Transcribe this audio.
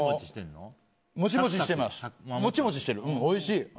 おいしい！